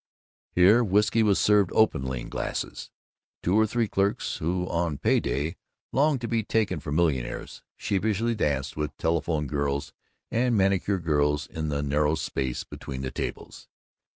Here, whisky was served openly, in glasses. Two or three clerks, who on pay day longed to be taken for millionaires, sheepishly danced with telephone girls and manicure girls in the narrow space between the tables.